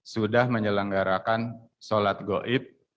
sudah menyelenggarakan sholat goib